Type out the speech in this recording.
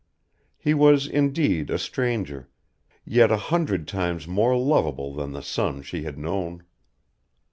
He was indeed a stranger, yet a hundred times more lovable than the son she had known.